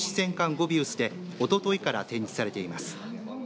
ゴビウスでおとといから開かれています。